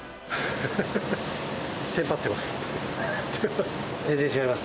テンパってます。